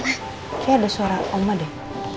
akhirnya ada suara oma deh